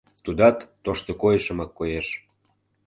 Тудат тошто койышымак коеш.